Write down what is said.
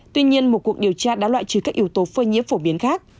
tuy nhiên một cuộc điều tra đã loại trừ các yếu tố phơi nhiễm phổ biến khác